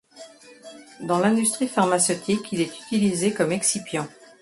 Dans l'industrie pharmaceutique, il est utilisé comme excipient.